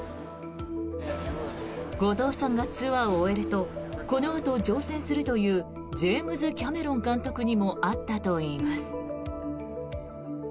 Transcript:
後藤さんがツアーを終えるとこのあと乗船するというジェームズ・キャメロン監督にも会ったといいます。